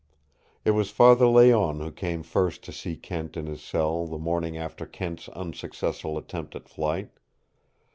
It was Father Layonne who came first to see Kent in his cell the morning after Kent's unsuccessful attempt at flight.